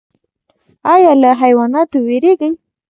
ایا له حیواناتو ویریږئ؟